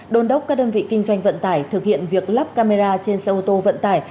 đôn đốc các đơn vị kinh doanh vận tải thực hiện việc lắp camera trên xe ô tô vận tải